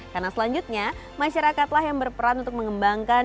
karena selanjutnya masyarakatlah yang berperan untuk mengembangkan